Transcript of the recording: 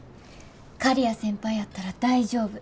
刈谷先輩やったら大丈夫。